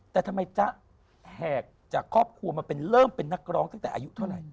แต่ทำไมจ๊ะแหกจากครอบครัวมาเป็นเริ่มเป็นนักร้องตั้งแต่อายุเท่าไหร่